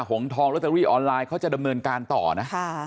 หงทองลอตเตอรี่ออนไลน์เขาจะดำเนินการต่อนะ